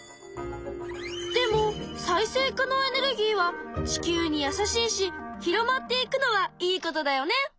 でも再生可能エネルギーは地球に優しいし広まっていくのはいいことだよね。